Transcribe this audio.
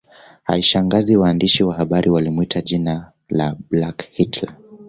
Haishangazi waandishi wa habari walimwita jina la Black Hitler